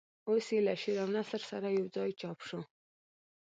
اوس یې له شعر او نثر سره یوځای چاپ شو.